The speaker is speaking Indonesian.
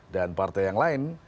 dan partai yang lain